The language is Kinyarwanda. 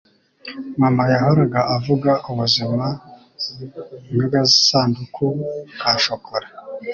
Mama yahoraga avuga, ubuzima ni nk'agasanduku ka shokora.